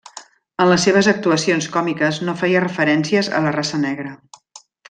En les seves actuacions còmiques no feia referències a la raça negra.